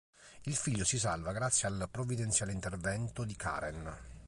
Il figlio si salva grazie al provvidenziale intervento di Karen.